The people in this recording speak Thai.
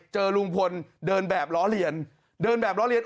เจอลุงพลเดินแบบล้อเลียนเดินแบบล้อเลียน